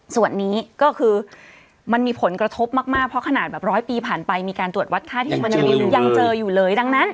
ส่วนนี้ก็คือมันมีผลกระทบมากเพราะขนาดแบบร้อยปีผ่านไปมีการตรวจวัดท่าที่มันยังเจออยู่เลยดังนั้น